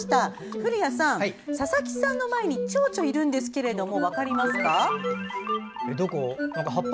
古谷さん、佐々木さんの前にチョウチョいるんですが分かりますか？